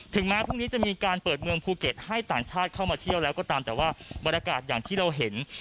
แม้พรุ่งนี้จะมีการเปิดเมืองภูเก็ตให้ต่างชาติเข้ามาเที่ยวแล้วก็ตามแต่ว่าบรรยากาศอย่างที่เราเห็น